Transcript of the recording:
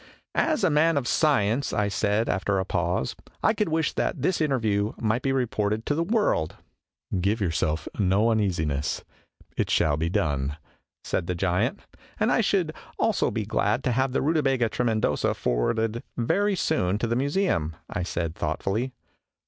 "As a man of science," I said, after a pause, " I could \vish that this interview might be reported to the world." " Give yourself no uneasiness. It shall be done," said the giant. "And I should also be glad to have the Rutabaga Trcmcndosa forwarded very soon to the Museum," I said thoughtfully.